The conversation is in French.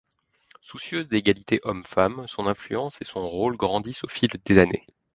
Soucieuse d'égalité hommes-femmes, son influence et son rôle grandissent au fil des années.